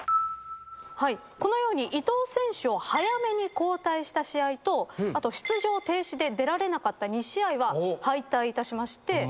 このように伊東選手を早めに交代した試合とあと出場停止で出られなかった２試合は敗退いたしまして。